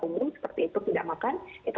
ungu seperti itu tidak makan itu